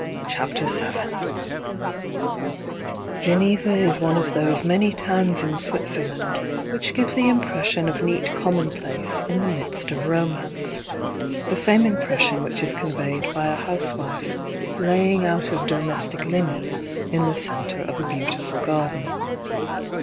m CHAPTER VII Geneva is one of those many towns in Switzer land which give the impression of neat commonplace in the midst of romance, — the same impression which is conveyed by a housewife's laying out of domestic linen in the centre of a beautiful garden.